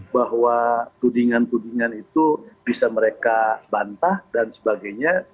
bahwa tudingan tudingan itu bisa mereka bantah dan sebagainya